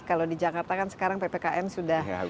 kalau di jakarta kan sekarang ppkm sudah